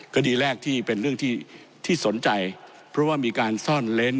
คดีแรกที่เป็นเรื่องที่สนใจเพราะว่ามีการซ่อนเล้น